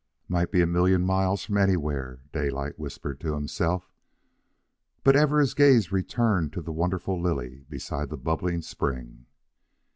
"Might be a million miles from anywhere," Daylight whispered to himself. But ever his gaze returned to the wonderful lily beside the bubbling spring.